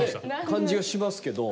感じがしますけど。